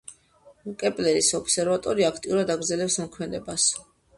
კეპლერის ობსერვატორია აქტიურად აგრძელებს მოქმედებას.